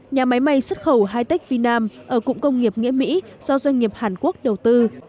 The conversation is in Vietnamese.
nhà máy may xuất khẩu haitech vinam ở cụng công nghiệp nghĩa mỹ do doanh nghiệp hàn quốc đầu tư